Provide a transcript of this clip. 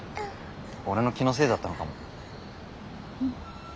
俺の気のせいだったのかも。